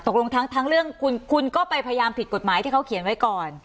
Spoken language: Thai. ตกลงทั้งเรื่องคุณก็ไปพยายามผิดกฎหมายที่เขาเขียนไว้ก่อน